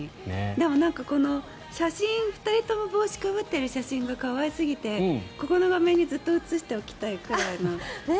でも、２人とも帽子をかぶっている写真が可愛すぎてここの画面にずっと写しておきたいぐらいな。